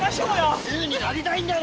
自由になりたいんだろ！